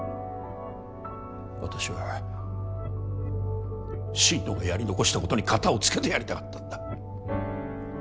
私は心野がやり残したことにかたを付けてやりたかったんだ。